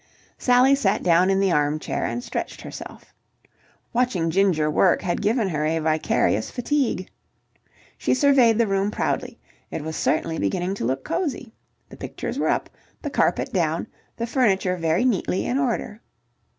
Sally sat down in the armchair and stretched herself. Watching Ginger work had given her a vicarious fatigue. She surveyed the room proudly. It was certainly beginning to look cosy. The pictures were up, the carpet down, the furniture very neatly in order.